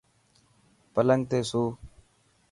پلنگ تي سو.